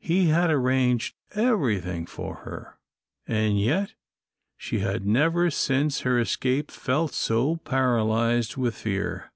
He had arranged everything for her, and yet she had never since her escape felt so paralysed with fear.